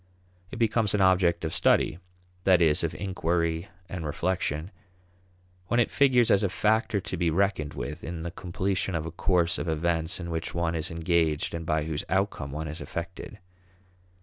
It becomes an object of study that is, of inquiry and reflection when it figures as a factor to be reckoned with in the completion of a course of events in which one is engaged and by whose outcome one is affected.